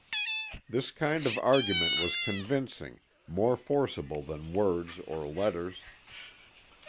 This kind of argument was convincing, more forcible than words or letters.